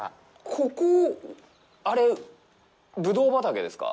ここ、あれ、ブドウ畑ですか？